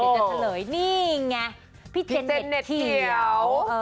เดี๋ยวจะทะเลนี่ไงพี่เจนเน็ตเขียว